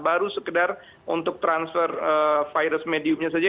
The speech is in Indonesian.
baru sekedar untuk transfer virus medium nya saja